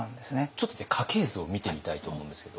ちょっとね家系図を見てみたいと思うんですけど。